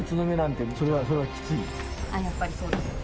やっぱりそうですよね。